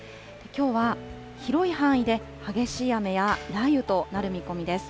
きょうは広い範囲で激しい雨や雷雨となる見込みです。